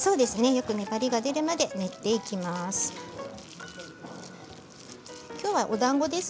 よく粘りが出るまで練っていきます。